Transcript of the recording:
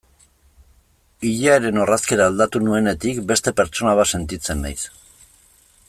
Ilearen orrazkera aldatu nuenetik beste pertsona bat sentitzen naiz.